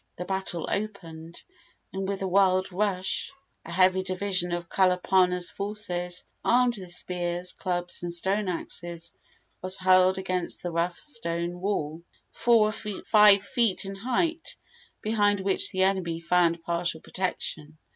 The battle opened, and with a wild rush a heavy division of Kalapana's forces, armed with spears, clubs, and stone axes, was hurled against the rough stone wall, four or five feet in height, behind which the enemy found partial protection.